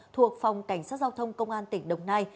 thuộc phòng cảnh sát giao thông công an tỉnh đồng nai